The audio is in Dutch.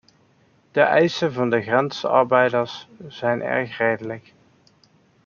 De eisen van de grensarbeiders zijn erg redelijk.